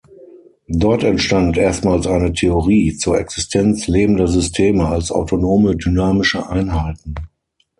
Dort entstand erstmals eine Theorie zur Existenz lebender Systeme als autonome dynamische Einheiten.